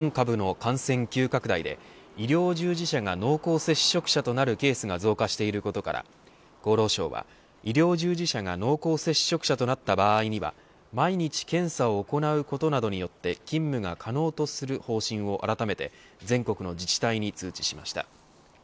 オミクロン株の感染急拡大で医療従事者が濃厚接触者となるケースが増加していることから厚労省は医療従事者が濃厚接触者となった場合には毎日検査を行うことなどによって勤務が可能とする方針をあらためて全国の自治体に通知しました。